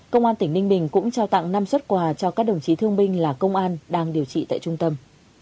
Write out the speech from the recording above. công an tỉnh ninh bình cũng trao tặng năm xuất quà cho các đồng chí thương binh là công an đang điều trị tại trung tâm